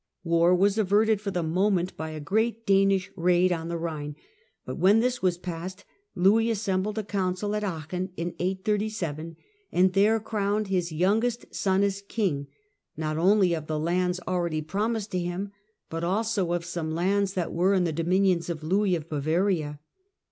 War was averted for the moment by a great Danish raid on the Rhine, but when this was passed Louis assembled a council at Aachen, in 837, and there crowned his youngest son as king, not only of the lands already promised to him, but also of some lands that were in the dominions of Louis of Bavaria.